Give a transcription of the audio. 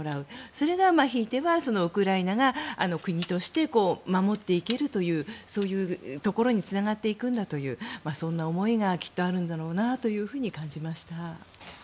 それが、ひいてはウクライナが国として守っていけるというそういうところにつながっていくんだというそんな思いがきっとあるんだろうなと感じました。